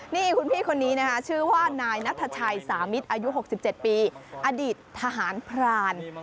นี่คุณพี่คนนี้นะคะชื่อว่านายนัทชัยสามิตรอายุ๖๗ปีอดีตทหารพราน